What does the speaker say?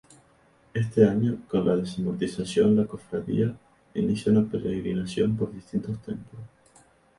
Este año con la desamortización la cofradía inicia una peregrinación por distintos templos.